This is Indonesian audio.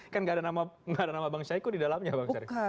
kan nggak ada nama bang syahiku di dalamnya bang syarif